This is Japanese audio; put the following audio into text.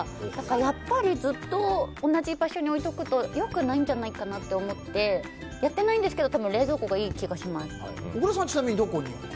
やっぱりずっと同じ場所に置いておくと良くないんじゃないかなと思ってやってないんですけど多分、冷蔵庫がいい気がします。